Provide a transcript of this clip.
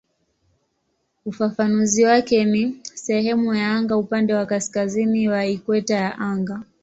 Ufafanuzi wake ni "sehemu ya anga upande wa kaskazini wa ikweta ya anga".